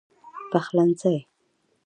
پخلنځی